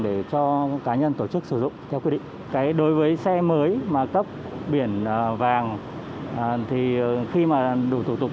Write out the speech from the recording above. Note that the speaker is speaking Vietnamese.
để cho cá nhân tổ chức sử dụng theo quy định đối với xe mới mà cấp biển vàng thì khi mà đủ thủ tục